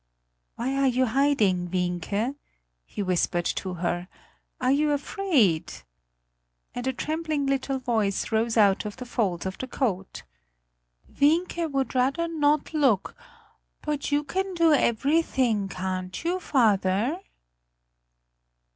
"Why are you hiding, Wienke?" he whispered to her; "are you afraid?" And a trembling little voice rose out of the folds of the coat: "Wienke would rather not look; but you can do everything, can't you, father?"